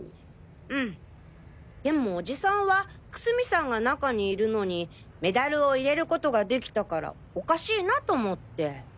うんでもおじさんは楠見さんが中にいるのにメダルを入れることができたからおかしいなと思って。